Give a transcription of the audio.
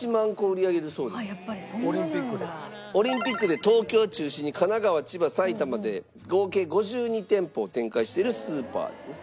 Ｏｌｙｍｐｉｃって東京を中心に神奈川千葉埼玉で合計５２店舗を展開しているスーパーですね。